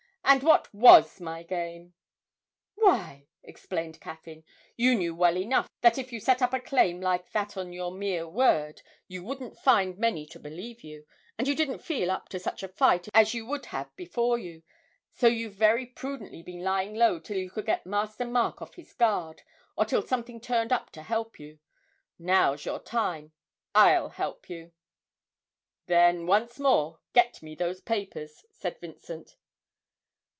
'And what was my game?' 'Why,' explained Caffyn, 'you knew well enough that if you set up a claim like that on your mere word, you wouldn't find many to believe you, and you didn't feel up to such a fight as you would have before you; so you've very prudently been lying low till you could get Master Mark off his guard, or till something turned up to help you. Now's your time. I'll help you!' 'Then, once more, get me those papers,' said Vincent.